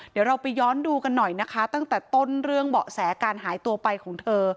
เดี๋ยวเราไปย้อนดูกันหน่อยนะคะตั้งแต่ต้นเรื่องเบาะแสการหายตัวไปของเธอ